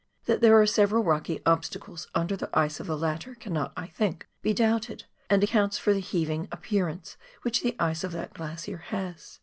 That there are several rocky obstacles under the ice of the latter cannot, I think, be doubted, and accounts for the heaving appearance which the ice of that glacier has.